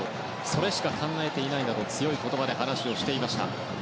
それしか考えていないんだと強い言葉で話をしていました。